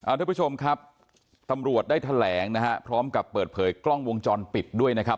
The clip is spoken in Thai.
ทุกผู้ชมครับตำรวจได้แถลงนะฮะพร้อมกับเปิดเผยกล้องวงจรปิดด้วยนะครับ